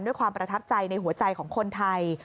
ด้วยความประทับใจในหัวใจของคนไทย